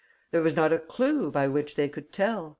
There was not a clue by which they could tell....